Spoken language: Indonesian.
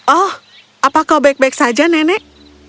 oh apa kau baik baik saja nenek